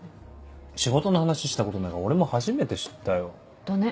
仕事の話したことないから俺も初めて知ったよ。だね。